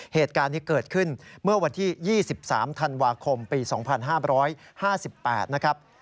เหตุการณ์นี้เกิดขึ้นเมื่อวันที่๒๓ธันวาคมปี๒๕๕๘นะครับ